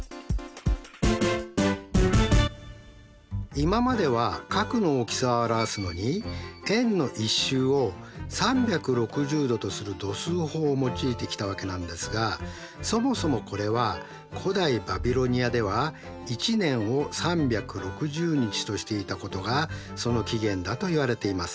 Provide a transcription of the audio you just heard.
今までは角の大きさを表すのに円の１周を３６０°とする度数法を用いてきたわけなんですがそもそもこれは古代バビロニアでは一年を３６０日としていたことがその起源だといわれています。